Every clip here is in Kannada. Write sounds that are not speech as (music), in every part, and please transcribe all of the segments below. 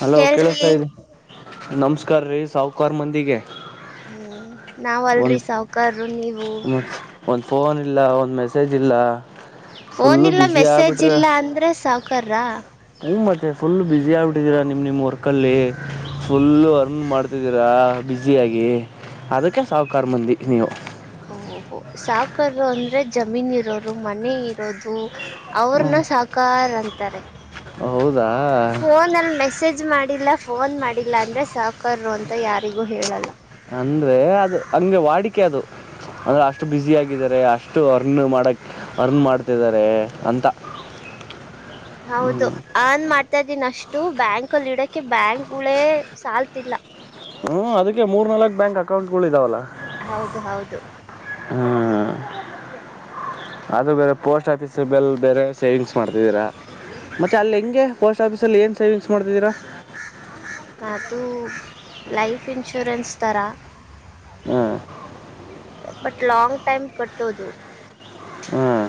ಹಲೋ ಹೇಳ್ರಿ ಕೇಳ್ತ ಇದೆ ನಮಸ್ಕಾರ್ರೀ ಸಾಹಕಾರಾರ್ ಮಂದಿಗೆ ಹ್ಞೂ ನಾವಲ್ರರಿ ಸಾಾವಕಾರರು ನೀವು ಒಂದು ಫೋನ್ ಇಲ್ಲ ಒಂದು ಮೆಸೇಜ್ ಇಲ್ಲ ಫುಲ್ಲು ಫೋನಲ್ಲ ಬಿಸಿ ಮೆಸೇಜ್ ಆಗ್ಬಿಟ್ರ ಇಲ್ಲ ಅಂದ್ರೆ ಸಾವುಕಾರ್ರ ಹ್ಮ ಮತ್ತೆ ಫುಲ್ ಬಿಸಿಿ ಆಗ್ಬಿಟ್ಟಿದೀರಾ ನಿಮ್ ನಿಮ್ ವರ್ಕ್ ಅಲ್ಲಿ ಫುಲ್ ಅರ್ನ್ ಮಾಡ ೀರ ಬುಸಿಯಾಗಿಿ ಅದಕ್ಕೆ ಸಾಹಕಾರಾರ್ ಬಂದಿ ನೀವು ಸಾವ್ಕಾರು ಅಂದರೆ ಜಮೀನಿರೋರು ಮನೆ ಇರೋದು ಅವ್ರನು ಸಾಕಾರ ಅಂತಾರೆ ಹೌದಾ ಫೋನ್ಲ್ಲಿ ಮೆಸ ಮೆಸೇಜ್ ಮಾಡಿಲ್ಲ ಫೋನ್ ಮಾಡಿಲ್ಲ ಅಂದರೆ ಸಾಕರು ಅಂತ ಯಾರಿಗೂ ಹೇಳಲ್ಲ ಅಂದ್ರೆ ಅದು ವಾಡಿಕೆ ಅದು ಅಂದ್ರೆ ಅಷ್ಟು ಬ್ಯುಸ ಆಗಿದ್ದಾರೆ ಅಷ್ಟು ಅರ್ನ್ ಮಾಡಕ್ ಅರ್ನ್ ಮಾಡ್ತಿದ್ದಾರೆ ಅಂತ (inaudible) ಹೌದು ಆನ್ ಮಾಡ್ತಾ ಇದ್ದೀನಿ ಅಷ್ಟು ಬ್ಯಾಂಕಲ್ಲಿ ಇಡಕ್ಕೆೆ ಬ್ಯಾಂಕ್ಗಳೇ ಸಾಲ್ತಿಲ್ಲ ಹ್ಮ ಅದಕ್ಕೆ ಮೂರ್ ನಾಲ್ಕು ಬ್ಯಾಂಕ್ ಅಕೌಂಟ್ ಗಳು ಇದಾವಲ್ಲ ಹೌದು ಹೌದು ಹ್ಮ್ ಅದು ಬೇರೆ ಪೋಸ್ಟ್ ಆಫೀಸ್ ಬೆಲ್ ಬೇರೆ ಸೇವಿಂಗ್ಸ್ ಮಾಡ್ತಿದ್ದೀರಾ ಮತ್ತೆ ಅಲ್ಲಿ ಹೆಂಗೆ ಪೋಸ್ಟ್ ಆಫೀಸ ಅಲ್ಲಿ ಏನ್ ಸೇವಿಂಗ್ಸ್ ಮಾಡ್ತಿದ್ದೀರಾ ಅದು ಲೈಫ್ ಇನ್ಶೂರೆನ್ಸ್ ಥರ ಹ್ಮ್ ಬಟ್ ಲಾಂಗ್ ಟೈಮ್ ಕಟ್ಟೋದು ಹ್ಮ್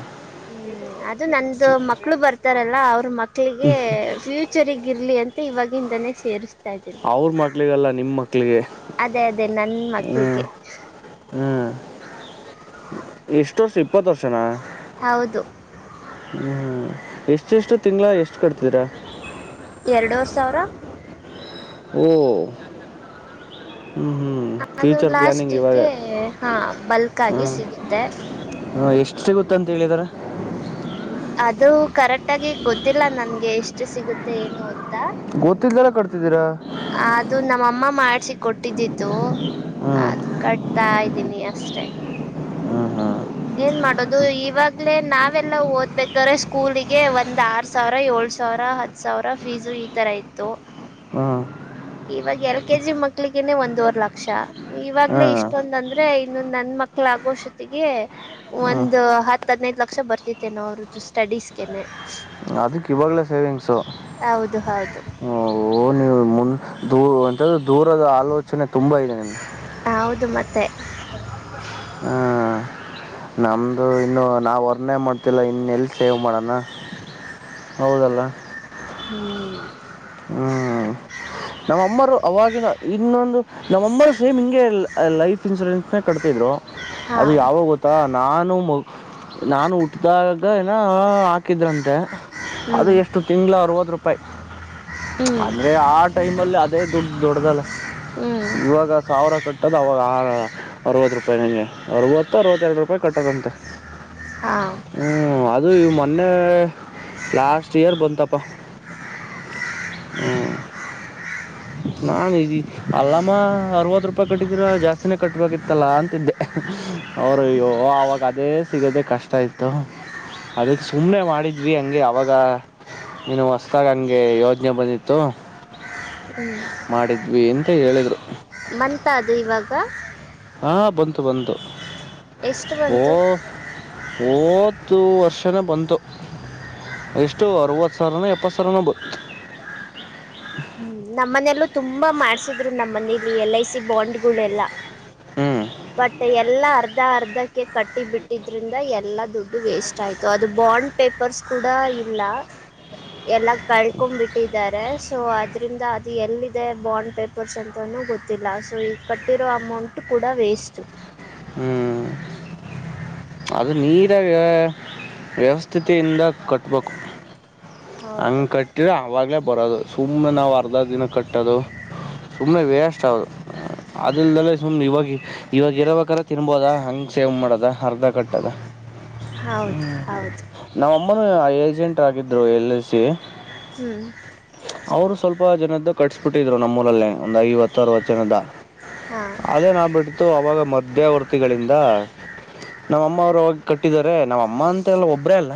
ಹ್ಮ್ ಅದು ನಂದು ಮಕ್ಳು ಬರ್ತಾರಲ್ಲ ಅವ್ರ ಮಕ್ಳಿಗೆ ಫ್ಯೂಚರ್ಗ್ ಇರ್ಲಿ ಅಂತ ಇವಾಗಿಂದಾನೇ ಸೇರಿಸ್ ಇದ್ದೀನಿ ಅವ್ರ ಮಕ್ಳಿಗಲ್ಲ ನಿಮ್ಮ ಮಕ್ಳಿಗೆ ಅದೇ ಅದೇ ನನ್ ಹ್ಮ್ ಮಕ್ಳಿಗೆ ಹ್ಮ್ ಎಷ್ಟ್ ವರ್ಷ ಎಪ್ಪಾತು ವರ್ಷನ ಹೌದು ಹ್ಮ್ ಎಷ್ಟ ಎಷ್ಟು ತಿಂಗ್ಗಳ ಎಷ್ಟು ಕಟ್ತಿದರಾ ಎರಡೂ ಸಾವಿರ ಓ ಹ್ಮ್ ಹ್ಮ್ ಅದು ಫ್ಯೂಚರ್ ಪ್ಲಾನಿಂಗ್ ಇವಾಗ ಲಾಸ್ಟಗೆ ಹಾ ಬಲ್ಕ್ ಆಗಿ ಸಿಗುತ್ತೆ ಹ ಎಷ್ಟು ಸಿಗುತ್ತ ಅಂತ ಹೇಳಿದಾರೆ ಅದು ಕರೆಕ್ಟ್ ಆಗಿ ಗೊತ್ತಿಲ್ಲ ನನ್ಗೆ ಎಷ್ಟು ಸಿಗುತ್ತೆ ಏನು ಅಂತ ಗೊತ್ತಿದ್ದಲ್ಲ ಕಟ್ತಿದ್ದೀರಾ ಅದು ನಮ್ಮಮ್ಮ ಮಾಡ್ಸಿ ಕೊಟ್ಟಿದ್ದಿದ್ದು ಹ್ಮ್ ಅದು ಕಟ್ ಕಥಾ ಇದೀನಿ ಅಷ್ಟೇ ಹ್ಮ್ ಏನ್ ಮಾಡೋದು ಇವಾಗ್ಲೇ ನಾವೆಲ್ಲ ಓದ್ಬೇಕ್ರ ಸ್ಕೂಲಿಗೆ ಒಂದ್ ಆರ್ ಸಾವಿರ ಏಳ್ ಸಾವಿರ ಹತ್ತು ಸಾವಿರ ಫೀಸು ಈ ಥರ ಇತ್ತು ಹ್ಮ ಇವಾಗ ಎಲ್ ಕೆ ಜಿ ಮಕ್ಳಿಗನೆ ಒಂದುವವರೆ ಲಕ್ಷ ಇವಾಗ್ಲೇ ಹ್ಮ್ ಇಷ್ಟೊಂದ ಅಂದ್ರೆ ಇನ್ನೊ ನನ್ ಮಕ್ಳ ಆಗೋ ಸೊತ್ತಗೆ ಹ್ಮ್ ಒಂದು ಹತ್ತ ಹದ್ನೈದು ಲಕ್ಷ ಬರ್ತತೆೇನೋ ಅವ್ರದ್ದು ಸ್ಟಡೀಸ್ಗೆನೆ ಅದಕ್ಕೆ ಇವಾಗಲೇ ಸೇವಿಂಗ್ಸು ಹೌದು ಹೌದು ಅಂತ್ರ ದೂರದ ಆಲೋಚನೆ ತುಂಬಾ ಇದೆ ನನ್ಗೆ ಹೌದು ಮತ್ತೆ ಹ್ಮ್ ನಮ್ದು ಇನ್ನು ನಾವ ವರ್ನೆ ಮಾಡ್ತಿಲ್ಲ ಇನ್ನ ಎಲ್ಲಿ ಸೇವ್ ಮಾಡಣ ಹೌದಲ್ಲ ಹ್ಮ್ ಹ್ಮ್ ನಮ್ಮ ಅಮ್ಮರು ಅವವಾಗಿನ ಇನ್ನೊಂದು ನಮ್ಮ ಅಮ್ಮರು ಸೇಮ್ ಹಿಂಗೆ ಲೈಫ್ ಇನ್ಸೂರೆನ್ಸ್ ಕಟ್ತಿದ್ರು ಹಾ ಅದು ಯಾವಾಗೊ ನಾನು ಮ ನಾನು ಹಟ್ಟ್ದಾಗ ಏನ ಆ ಹಾಕಿದ್ರಂತೆ ಅದು ಹ್ಮ್ ಎಷ್ಟು ತಿಂ್ಳ ಅರರುವತ್ತು ರೂಪಾಯಿ ಹ್ಮ್ ಅಂದ್ರೆ ಆ ಟೈಮಲ್ಲಿ ಅದೇ ದುಡ್ ದೊಡ್ಡ್ದಲ್ಲ ಹ್ಮ್ ಇವಾಗ ಸಾವಿರ ಕಟ್ಟೋದು ಅವಾಗ ಆಹಾರ ಅರವತ್ತು ರೂಪಾಯಿ ನಂಗೆ ಅವತ್ತು ಅರವತ್ತೆರಡು ರಾಯ ಕೇ ಕಟ್ಟದಂತ ಹಾ ಹ್ಞೂ ಅದು ಇವು ಮೊನ್ನೆ ಲಾಸ್ಟ್ ಇಯರ್ ಬಂತಪ್ಪ ಹ್ಮ ನಾು ಇದಿ ಅಲ್ಲಮ್ಮ ಅರವತ್ತು ರೂಪಾಯಿ ಕಟ್ಟಿದ್ದೀರ ಜಾಸ್ತಿನೇ ಕಟ್ಬೇಕಿತ್ತಲ್ಲಾ ಅಂತಿದ್ದೆ ಅವರು ಅವಾಗ ಅದೇ ಸಿಗದೆ ಕಷ್ಟ ಇತ್ತು ಅದಕ್ಕೆ ಸುಮ್ಮ್ನೆ ಮಾಡಿದ್ವಿ ಹಂಗೆ ಅವಾಗ ನು ಹೊಸದಾಗ ಹಂಗೆ ಯ ಯೋಚನೆ ಬಂದಿತ್ತು ಮಾಡಿದ್ವಿ ಅಂತ ಹೇಳಿದ್ರು ಬಂತಾ ಅದು ಇವಾಗ ಹಾ ಬಂತು ಬಂತು ಎಷ್ಟು ಓ ಬಂತು ಓದು ವರ್ಷನೆ ಬಂತು ಎಷ್ಟು ಅರವತ್ತು ಸಾವಿರನ ಎಪ್ಪತ್ ಸಾವಿರನ ಬ ಹ್ಮ್ ನಮ್ಮನೆಯಲ್ಲೂ ತುಂಬಾ ಮಾಡ್ಸಿದ್ರು ನಮ್ಮನ ಇ ಎಲ್ ಐ ಸಿ ಬಾಂಡ್ ೆಲ್ಲಾ ಹ್ಮ್ ಬಟ್ ಎಲ್ಲಾ ಅರ್ಧ ಅರ್ಧಕ್ಕೆ ಕಟ್ಟಿ ಬಿಟ್ಟಿದ್ರಿಂದ ಎಲ್ಲಾ ದುಡ್ಡು ವೇಸ್ಟ್ ಇಷ್ಟ ಆಯ್ತು ಅದು ಬಾಂಡ್ ಪೇಪರ್ಸ್ ಕೂಡ ಇಲ್ಲ ಎಲ್ಲ ಕಳ್ಕೊಂಡ್ ಬಿಟ್ಟಿದ್ದಾರೆ ಸೊ ಅದರಿಂದ ಅದು ಎಲ್ಲಿದೆ ಬಾಂಡ್ ಪೇಪರ್ಸ್ ಅಂತೂ ಗೊತ್ತಿಲ್ಲ ಸೊ ಈದು ಕಟ್ಟಿರೋ ಅಮೌಂಟ್ ಕೂ ವೇಸ್ಟ್ ಹ್ಞೂ ಅದು ನೀರ ವ್ಯ ವ್ಯವಸ್ಥಿತೆಯಿಂದ ಕಟ್ಟಬೇಕು ಹೌದು ಹಂಗ ಕಟ್ಟಿದ್ರ ಅವಾಗ್ಲೇ ಬರೋದು ಸುಮ್ಮ್ನೆ ನಾವವು ಅರ್ಧ ದಿನ ಕಟ್ಟೋದು ಸುಮ್ಮನೆ ವೇಸ್ಟ್ ಅಷ್ಟದು ಅದಲ್ದೆಲ್ಲೇ ಸುಮ್ಮ್ನೆ ಇವಾಗ ಇವಾಗ ಇರಬೇಕ್ರ ತಿನ್ಬೋದ ಹಂಗ ಸೇವ್ ಮಾಡದ ಅರ್ಧ ಕಟ್ಟದ ಹೌದು ಹ್ಮ್ ಹೌದು ನಾವ ಅಮ್ಮನೂ ಏಜೆಂಟ್ ಆಗಿದ್ರು ಎಲ್ ಎ ಸಿ ಹ್ಮ್ ಅವರು ಸ್ವಲ್ಪ ಜನದ್ದ ಕಟ್ಿಸಬಿಟ್ಟಿದ್ರು ನಮ್ಮ ಮೂಲಲ್ಲೇ ಒಂದ್ ಐವತ್ತವತ್ತು ಜನದ ಹಾಂ ಅದೇನಾಗಬಿಟ್ಟಿತ್ತು ಅವಾಗ ಮಧ್ಯವರ್ತಿಗಳಿಂದ ನಮ್ಮ ಅಮ್ಮ ಅವರ ಹೋಗಿ ಕಟ್ಟಿದಿದ್ದಾರೆ ನಮ್ಮ ಅಮ್ಮ ಅಂತ ಅಲ್ಲಾ ಒಬ್ರೇ ಅಲ್ಲ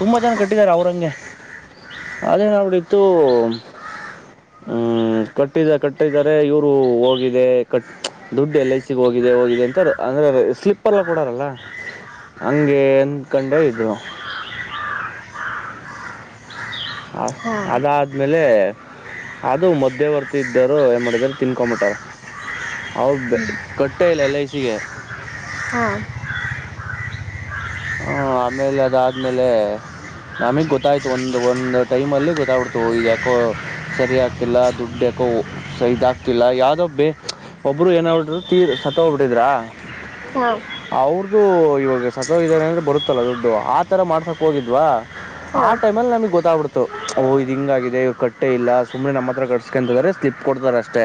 ತುಂಬಾ ಜನ ಕಟ್ಟಿದ್ದಾರೆ ಅವ್ರಂಗೆ, (inaudible) ಅದೇ ಒಂದ ಇತ್ತು ಹೂ (inaudible) ಕಟ್ಟಿದ ಕಟ್ಟಿದ್ದಾರೆ ಇವರು ಹೋಗಿದೆ ಕಟ್ ದುಡ್ಡು ಎಲ್ಐಸಿ ಗೆ ಹೋಗಿದೆ ಹೋಗಿದೆ ಅಂತಾರೆ ಅಂದ್ರೆ ಸ್ಲಿಪ ಎಲ್ಲ ಕೂಡಾರಲ್ಲ ಹಂಗೆ ಅಂದಕಂಡೆ ಇದು (inaudible) ಹಾ ಹಾಂ ಅದಾದ ಆಮೇಲೆ ಅದು ಮಧ್ಯವರ್ತಿ ಇದ್ದರು ಏನ್ ಮಾಡಿದಿದ್ದಾರೆ ತಿನ್ಕೊಂಬಿಟ್ಟಾರ ಹೌದ ಕಟ್ಟೇ ಇಲ್ಲ ಎಲ್ಐಸಿ ಗೆ (inaudible) ಹಾ (inaudible) ಹ ಆಮೇಲೆ ಅದಾದ್ಮೇಲೆ. (inaudible) ನಮಗ ಗೊತ್ತಾಯ್ತು ಒಂದ್ ಒಂದ್ ಟೈಮ ಅಲ್ಲಿ ಗೊತ್ತ್ಬಿಡ್ತು ಇದ ಯಾಕೋ? (inaudible) ಸರಿ ಆಗ್ತಿಲ್ಲ ದುಡ್ಡಕೋ ಸಹಿದಗ್ತಿಲ್ಲ ಯಾವದೋ ಬೇಕ (inaudible) ಒಬ್ಬರು ಏನ್ ಆಗಬಿಟ್ಟುರು ತೀರ್ ಸತ್ತ ಹೋಗ್ಬಿಟ್ಟಿದ್ರ ಹಾಂ ಅವ್ರದು ಇವಾಗ ಸಾ (inaudible) ಬ್ರೋ ಇದನಂದ್ರೆ ಬರುತ್ತಲ್ಲಾ ದುಡ್ಡು ಆತರ ಮಾಡ್ಸಾಕ್ ಹೋಗಿದ್ವಾ (inaudible) ಆ ಹಾಂ ಟೈಮ ಅಲ್ಲಿ ನಮಗ ಗೊತ್ತಾಗಬಿಡ್ತು ಓ ಇದ ಹಿಂಗ ಆಗಿದೆ ಕಟ್ಟೆ ಇಲ್ಲ ಸುಮ್ನೆ ನಮ್ಮ ಹತ್ರ ಕಟ್ಸ್ಕಂತಿದ್ದಾರೆ. (inaudible) ಸ್ಲಿಪ್ ಕೊಡ್ತಾರೆ ಅಷ್ಟೇ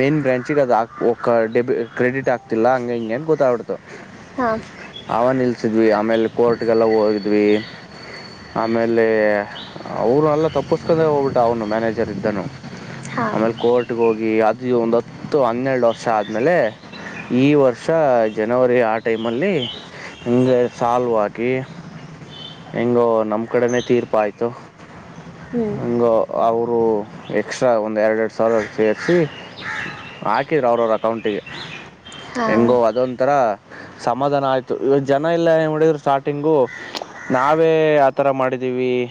ಮೈನ್ ಬ್ರ್ಯಾಂಚಿಗೆ ಅದ ಓಕ್ ಡೆ ಕ್ರೆಡಿಟ್ ಆಗ್ತಿಲ್ಲ ಹಂಗೆ ಹಿಂಗೆ ಗೊತ್ತಾಗ ಬಿಡತ್ತ (inaudible) ತ್ತ (inaudible) ಹಾ (inaudible) ಅವ ನಿಲ್ಸಿದ್ವಿ ಆಮೇಲೆ ಕೋರ್ಟ್ಗೆಲ್ಲ ಹೋಗಿದ್ವಿ. (inaudible) ಆಮೇಲೆ ಅವರ ಅಲ್ಲ ತಪ್ಪಸ್ಕೊಂಡೆ ಹೋಗ್ಬಿಟ್ಟ ಅವನು ಮ್ಯಾನೇಜರ್ ಇದ್ದನು (inaudible) ಹಾಂ ಆಮೇಲೆ ಕೋರ್ಟ್ಗೆ ಹೋಗಿ ರಾತ್ರಿ ಒಂದ ಹೊತ್ತು ಹನ್ನೆರಡು ವರ್ಷ ಆದ್ಮೇಲೆ, (inaudible) ಈ ವರ್ಷ ಜನವರಿ ಆ ಟೈಮ್ ಅಲ್ಲಿ, (inaudible) ಹಂಗೆ ಸಲುವಾಗಿ (inaudible) ಹೆಂಗೋ ನಮ್ಮ ಕಡೆನೆ ತೀರ್ಪ ಆಯ್ತ ಹ್ಞೂ ಹಂಗೋ (inaudible) ಅವರು ಎಕ್ಸ್ಟ್ರಾ ಒಂದು ಎರಡ ಎರಡ ಸಾವಿರ ಸೇರಿಸಿ (inaudible) ಹಾಕಿದ್ರ ಅವ್ರ ಅವ್ರ ಅಕೌಂಟಿಗೆ ಹಾಂ ಹೆಂಗೋ ಅದ ಒಂಥರ ಸಮಾಧಾನ ಆಯ್ತು. (inaudible) ಜನ ಇಲ್ಲ ಏನ್ ಮಾಡಿದ್ರು ಸ್ಟಾರ್ಟಿಂಗು ನಾವೇ ಆತರ ಮಾಡಿದೀವಿ (inaudible)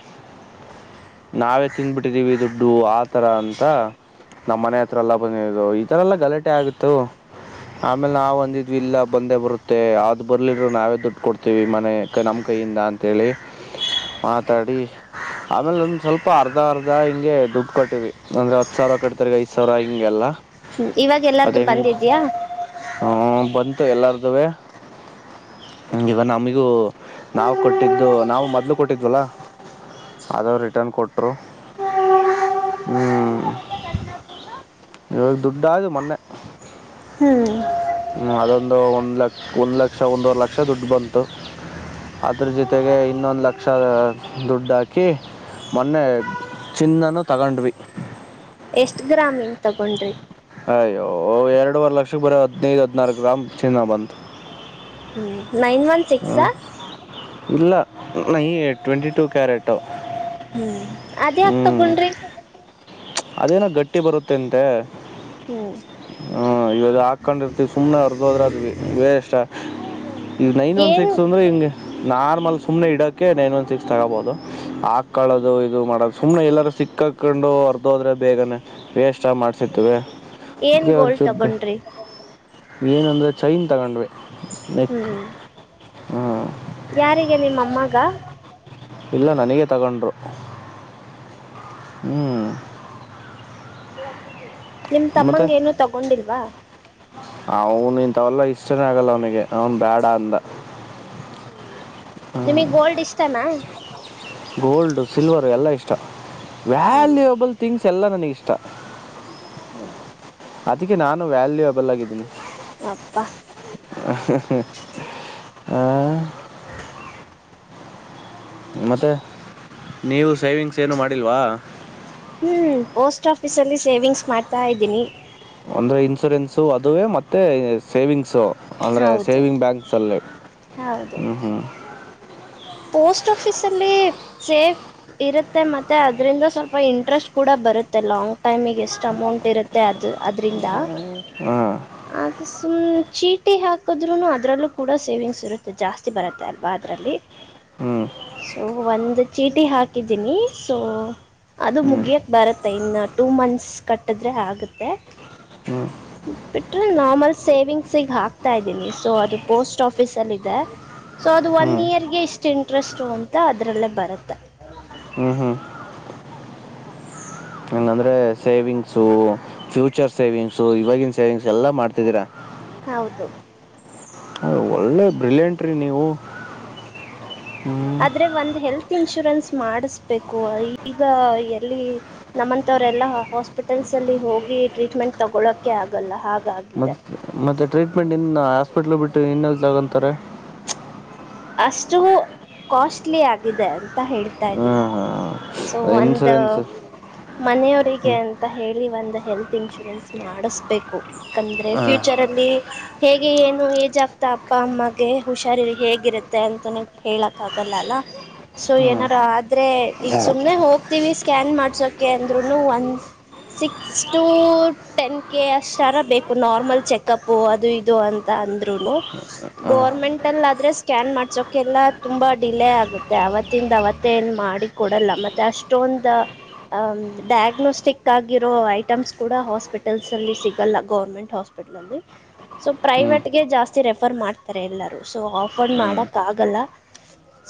ನಾವೇ ತಿನ್ಬಿಟ್ಟಿದೀವಿ ದುಡ್ಡು ಆ ತರ ಅಂತ (inaudible) ನಮ್ಮ ಮನೆ ಹತ್ರ ಎಲ್ಲ ಬಂದಿದ್ರು ಇತರ ಎಲ್ಲ ಗಲಾಟೆ ಆಗಿತ್ತು. ಆಮೇಲೆ ನಾವ್ ಅಂದಿದ್ವಿ ಇಲ್ಲ ಬಂದೇ ಬರುತ್ತೆ ಆದರು (inaudible) ಬರ್ಲಿದರರು ನಾವೇ ದುಡ್ಡು ಕೊಡ್ತೀವಿ ಈ ಮನೆ ಏಕ್ ನಮ್ಮ ಕೈಯಿಂದ ಅಂತ ಹೇಳಿ ಮಾತಾಡಿ (inaudible) ಆಮೇಲೆ ಒಂದ್ ಸ್ವಲ್ಪ ಅರ್ಧ ಅರ್ಧ ಹಿಂಗೆ ದುಡ್ಡು ಕೊಟ್ಟಿವಿ ಒಂದ ಹತ್ತ ಸಾವಿರ ಕಟ್ಟಡತ್ತಾರೆ. (inaudible) ಸಾವರ ಹಿಂಗೆಲ್ಲ? (inaudible) ಹು ಇವಾಗ ಎಲ್ಲಾರ್ದು ಬಂದಿದೆಯಾ? (inaudible) ಹು ಬಂತು ಎಲ್ಲಾರದೂವೇ? (inaudible) ಹು ಇದ ನಮಿಗೂ ನಾವು ಕೊಟ್ಟಿದ್ದು ನಾವು ಮೊದ್ಲು ಕೊಟ್ಟಿದ್ವಲ್ಲ? (inaudible) ಅದು ರಿಟರ್ನ್ ಕೊಟ್ಟರು ಹೂ (inaudible) (unintelligible) ಇವಾಗ ದುಡ್ಡ ಆದು ಮೊನ್ನೆ? (inaudible) ಹ್ಮ್ ಹು ಅದೊಂದು ಒಂದ್ ಲಕ್ಷ ಒಂದ್ ಲಕ್ಷ ಒಂದುವರೆ ಲಕ್ಷ ದುಡ್ಡು ಬಂತು. (inaudible) ಅದ್ರ ಜೊತೆಗೆ ಇನ್ನೊಂದ ಲಕ್ಷ ದುಡ್ಡು ಹಾಕಿ, (inaudible) ಮೊನ್ನೆ ಚಿನ್ನನ್ನು ತಗೊಂಡ್ವಿ. (inaudible) ಎಷ್ಟ ಗ್ರಾಮ ಇಂದ ತಗೊಂಡ್ರಿ? (inaudible) ಅಯ್ಯೋ ಎರಡುವರೆ ಲಕ್ಷ ಬೇರೆ ಹದನೈದ ಹದ್ನಾರಾ ಗ್ರಾಮ ಚಿನ್ನ ಬಂತು. (inaudible) ನೈನ್ ವನ್ (inaudible) ಹ ಇಲ್ಲ ನೈನ ಎಟ್ ಟ್ವೆಂಟಿ ಟೂ ಕ್ಯಾರಟೋ? (inaudible) ಹೂ ಅದ್ಯಾಕ ತಗೊಂಡ್ರಿ. (inaudible) ಅದೇನೋ ಗಟ್ಟಿ ಬರುತ್ತೆ ಅಂತೆ ಹ್ಮ್ ಹ್ಮ ಇದು ಹಾಕೊಂಡಿ ಇರ್ತಿವಿ ಸುಮ್ನೆ ಹೊರ್ದೋದ್ರ ಅದು ಬೇರೆಷ್ಟ ಈ ನೈನ್ ಒನ್ ಏನ್ ಸಿಕ್ಸ್ ಅಂದ್ರೆ ಹೆಿಂಗೆ ನಾರ್ಮಲ್ ಸುಮನೆ ಇಡಕ್ಕೆ ನೈನ್ ಒನ್ ಸಿಕ್ಸ್ ತಗೋಬಹುದು ಹಾಕೊಳ್ಳೋದು ಇದು ಮಾಡೋದು ಸುಮನೆ ಎಲ್ಲಾರ ಸಿಕ್ಕಕ್ ಕುಂಡೋರ್ ೋದ್ರೆ ಬೇಗನೆ ವೇಸ್ ಮಾಡ್ಸತವೆ ಏನ್ ಅದ ಒ ಗೋಲ್ಡ್ ಚುಗ್ಗ ತಗೊಂಡ್ರಿ ಏನಂದರೆ ಚೈನ್ ತಗೊಂಡೆ ನೆಕ್ ಹ್ಮ್ ಹಾಂ ಯಾರಿಗೆ ನಿಮ್ಮ ಅಮ್ಮಗ ಇಲ್ಲ ನನಗೆ ತಗೊಂಡರು ಹ್ಮ್ ನಿಮ್ ತಮ್ಮಂಗ ಏನು ತಗೊಂಡಿಲ್ವಾ ಅವನು ಇಂತವಲ್ಲ ಇಷ್ಟನೆೇ ಆಗಲ್ಲ ಅವನಿಗೆ ಅವನ್ ಬೇಡ ಅಂದ ಹ್ಞೂ ನಿಮಗ್ ಗೋಲ್ಡ್ ಇಷ್ಟನಾ ಗೋಲ್ಡ್ ಸಿಲ್ವರ್ ಎಲ್ಲ ಇಷ್ಟ ಹ್ಮ್ ವ್ಯಾಲ್ಯುಯಬಲ್ ಥಿಂಗ್ಸ್ ಎಲ್ಲ ನನಗಿಷ್ಟ ಅದಕ್ಕೆ ನಾನು ವ್ಯಾಲ್ಯೂಬಲ್ಲಾಗಿದ್ದೀನಿ ಅಪ್ಪ ಹ ಮತ್ತು ನೀವು ಸೇವಿಂಗ್ಸ್ ಏನು ಮಾಡಿಲ್ವಾ ಹ್ಮ್ ಪೋಸ್ಟ್ ಆಫೀಸ್ಲ್ಲಿ ಸೇವಿಂಗ್ಸ್ ಮಾಡ್ತಾ ಇದ್ದೀನಿ ಅಂದ್ರೆ ಇನ್ಸೂರೆನ್ಸು ಅದುವೇ ಮತ್ತೆ ಸೇವಿಂಗ್ಸು ಅಂದ್ರೆ ಹೌದು ಸೇವಿಂಗ್ ಬ್ಯಾಂಕ್ಸ್ ಅಲ್ಲಿ ಹೌದು ಹ್ಮ್ ಹ್ಮ್ ಪೋಸ್ಟ್ ಆಫಿಸಲ್ಲಿ ಸ ಇರುತ್ತೆ ಮತ್ತೆ ಅದರಿಂದ ಸ್ವಲ್ಪ ಇಂಟ್ರೆಸ್ಟ್ ಕೂಡ ಬರುತ್ತೆ ಲಾಂಗ್ ಟೈಮಿಗೆ ಎಷ್ಟು ಅಮೌಂಟ್ ಇರುತ್ತೆ ಮತ್ತೆ ಅದು ಅದರಿಂದ ಹಾ ಅದು ಸುಮ್ಮನೆ ಚೀಟಿ ಹಾಕಿದ್ರರು ಅದರಲ್ಲೂ ಕೂಡ ಸೇವಿಂಗ್ಸ್ ಇರುತ್ತೆ ಜಾಸ್ತಿ ಬರುತ್ತೆ ಅಲ್ವಾ ಅದರಲ್ಲಿ ಹ್ಮ್ ಸೊ ಒಂದ್ ಚೀಟಿ ಹಾಕಿದ್ದೀನಿ ಸೊ ಅದು ಹ್ಞೂ ಮುಗಿಯೋಕ್ಕೆ ಬರುತ್ತೆ ಇನ್ನು ಟೂ ಮಂತ್ಸ್ ಕಟ್ಟಿದ್ರೆ ಆಗುತ್ತೆ ಹ್ಞೂ ಬಿಟ್ರೆ ನಾರ್ಮಲ್ ಸೇವಿಂಗ್ಸಿಗೆ ಹಾಕ್ತಾ ಇದೀನಿ ಸೊ ಅದು ಪೋಸ್ಟ್ ಆಫೀಸ್ ಅಲ್ಲಿ ಇದೆ ಸೊ ಅದು ಒನ್ ಹ್ಞೂ ಇಯರ್ಗೆ ಇಷ್ಟ್ ಇಂಟ್ರೆಸ್ಟ್ ಅಂತ ಅದ್ರಲ್ಲೇ ಬರುತ್ತೆ ಹ್ಮ ಹ್ಮ ಹ್ಞ ಸೇವಿಂಗ್ಸು ಫ್ಯೂಚರ್ ಸೇವಿಂಗ್ಸು ಇವಾಗಿನ ಸೇವಿಂಗ್ಸ್ ಎಲ್ಲಾ ಮಾಡ್ತಿದ್ದೀರಾ ಹೌದು ಒಳ್ಳೆ ಬ್ರಿಲಿಯಂಟ್ರೀ ನೀವು ಹ್ಞೂ ಆದ್ರೆ ಒಂದು್ ಹೆಲ್ತ್ ಇನ್ಶೂರೆನ್ಸ್ ಮಾಡಿಸ್ಬೇಕು ಈಗ ಎಲ್ಲಿ ನಮ್ಮಂತವ್ರೆಲ್ಲಾ ಹಾಸ್ಪಿಟಲ್ಸ್ ಅಲ್ಲಿ ಹೋಗಿ ಟ್ರೀಟ್ಮೆಂಟ್ ತಗೊಳಕೆ ಆಗಲ್ಲ ಹಾಗಾಗಿ ಮತ್ತೆ ಮತ್ತೆ ಟ್ರೀಟ್ಮೆಂಟ್ ಇನ್ನು ಹಾಸ್ಪಿಟ್ಲ್ ಬಿಟ್ಟು ಇನ್ನ ತಗೊಂತಾರೆ ಅಷ್ಟು ಕಾಸ್ಟ್ಲಿ ಆಗಿದೆ ಅಂತ ಹೇಳ್ತಾ ಇದ್ದೀನಿ ಹಾಂ ಸೊ ಹಾಂ ಒಂದು ಇನ್ಸೂರೆನ್ಸ್ ಮನೆಯವರಿಗೆ ಹ್ಞೂ ಅಂತ ಹೇಳಿ ಒಂದು ಹೆಲ್ತ್ ಇನ್ಶೂರೆನ್ಸ್ ಮಾಡಿಸಬೇಕು ಯಾಕಂದ್ರೆ ಹಾಂ ಫ್ಯೂಚರ್ ಇಲ್ಲಿ ಹೇಗೆ ಏನು ಏಜ್ ಆಗ್ತಾ ಅಪ್ಪ ಅಮ್ಮಗೆ ಹುಷಾರಿ ಹೇಗಿರುತ್ತೆ ತ್ತೆ ಅಂತಾನೇ ಹೇಳಕ್ಕ ಆಾಗಲ್ಲಲ್ಲ ಸೊ ಏನಾರ ಆದ್ರೆ ಈಗ ಹಾಂ ಸುಮ್ನೆ ಹೋಗ್ತೀವಿ ಸ್ಕ್ಯಾನ್ ಮಾಡ್ಸೋಕೆ ಅಂದ್ರುೂನು ಒಂದ ಸಿಕ್ಸ್ ಟು ಟೆನ್ ಕೆ ಅಷ್ಟರ ಬೇಕು ನಾರ್ಮಲ್ ಚೆಕಪ್ಪು ಅದು ಇದು ಅಂತ ಅಂದರುೂ ಹಾಂ ಗೋರ್ಮೆಂಟ್ ಅಲ್ಲಿ ಆದ್ರೆ ಸ್ಕ್ಯಾನ್ ಮಾಡ್ಸೋಕೆಲ್ಲ ತುಂಬ ಡಿಲೇ ಆಗುತ್ತೆ ಅವತ್ತಿಂದ ಅವತ್ತೇ ಏನು ಮಾಡಿ ಕೊಡಲ್ಲ ಮತ್ತೆ ಅಷ್ಟು ತಂದ ಅ ಡಯಾಗ್ನೋಸ್ಟಿಕ್ ಆಗಿರೋ ಐಟಮ್ಸ್ ಕೂಡ ಹಾಸ್ಪಿಟಲ್ಸ್ ಅಲ್ಲಿ ಸಿಗೋಲ್ಲ ಗೌರ್ಮೆಂಟ್ ಹಪಿಲ್ಲ್ಲಿ ಸ ಹ್ಞೂ ಪ್ರೈವಟ್ಗೆ ಜಾಸ್ತಿ ರೆಫರ್ ಮಾಡ್ತಾರೆ ಎಲ್ಲೂ ಅಫಂಡ್ ಮಾಡೋಕ್ಕಾಗಲ್ಲ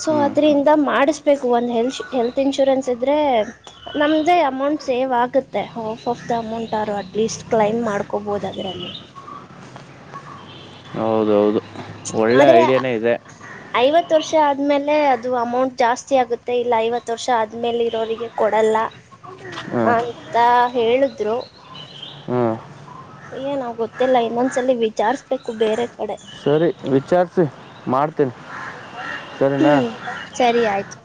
ಸೊ ಹ್ಞೂ ಹ್ಞೂ ಅದರಿಂದ ಮಾಡಿಸ್ಬೇಕು ಒಂದು ಹೆಲ್ಶ ಹೆಲ್ತ್ ಇನ್ಶೂರೆನ್ಸ್ ಇದ್ದರೆ ನಮ್ದೇ ಅಮೌಂಟ್ ಸೇವ್ ಆಗುತ್ತೆ ಹಾಫ್ ಆಫ್ ದ ಅಮೌಂಟ್ಾರರು ಅಟ್ಲೀಸ್ಟ್ ಕ್ಲೈಮ್ ಮಾಡ್ಕೊಬೋದು ಅದರಲ್ಲಿ ಹೌದೌದು ಒಳ್ಳೆ ಆದ್ರೆ ಐಡಿಯಾನೇ ಇದೆ (inaudible) ಐವತ್ತು ವರ್ಷ ಆದ್ಮೇಲೆ ಅದು ಅಮೌಂಟ್ ಜಾಸ್ತಿ ಆಗುತ್ತೆ ಇಲ್ಲ ಐವತ್ತು ವರ್ಷ ಆದ್ಮೇಲೆ ಇರೋರಿಗೆ ಕೊಡಲ್ಲ ಹಾಂ ಅಂತ ಹೇಳಿದ್ರು ಹಾಂ ಏನಾ್ ಗೊತ್ತಿಲ್ಲ ಇಮನ್ಸಲ್ಲಿ ವಿಚಾರಿಸ್ಬೇಕು ಬೇರೆ ಕಡೆ ಸರಿ ವಿಚಾರಿಸಿಿ ಮಾಡ್ತೀನಿ ಸರಿನಾ ಹ್ಮ್ ಸರಿ ಆಯ್ತು